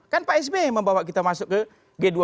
kan pak sby membawa kita masuk ke g dua puluh